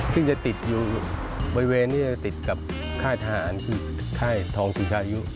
ซึ่งจะติดอยู่บริเวณที่จะติดกับค่ายทหารคือค่ายทองศรีชายุ